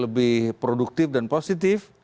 lebih produktif dan positif